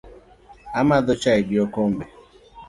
Amadho chai gi okombe